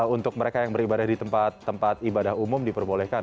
untuk mereka yang beribadah di tempat tempat ibadah umum diperbolehkan